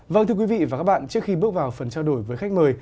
vâng thưa quý vị và các bạn trước khi bước vào phần trao đổi với khách mời